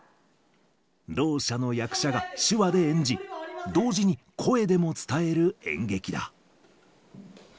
ろう者の役者が手話で演じ、同時に声でも伝える演劇だ。